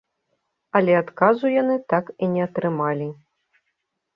Але адказу яны так і не атрымалі.